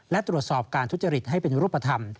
และตรวจสอบการทุจริตให้เป็นรูปธรรม